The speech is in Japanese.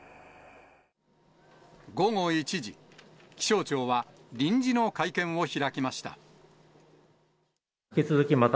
午後１時、気象庁は、臨時の会見を開きました。